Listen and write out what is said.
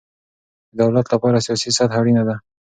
د دولت له پاره سیاسي سطحه اړینه ده.